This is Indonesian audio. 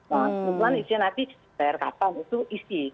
kemudian isinya nanti dibayar kapan itu isi